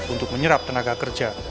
untuk menyerap tenaga kerja